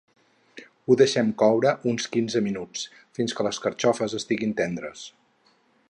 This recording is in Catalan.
Ho deixem coure uns quinze minuts, fins que les carxofes estiguin tendres.